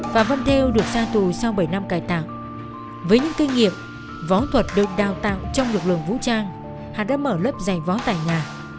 phạm văn theo được xa tù sau bảy năm cải tạo với những kinh nghiệm võ thuật được đào tạo trong lực lượng vũ trang hà đã mở lớp dạy võ tại nhà